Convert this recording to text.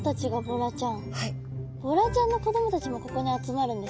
ボラちゃんの子どもたちもここに集まるんですね。